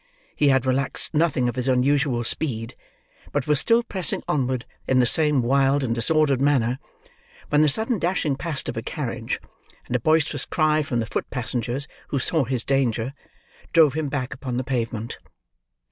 He had relaxed nothing of his unusual speed; but was still pressing onward, in the same wild and disordered manner, when the sudden dashing past of a carriage: and a boisterous cry from the foot passengers, who saw his danger: drove him back upon the pavement.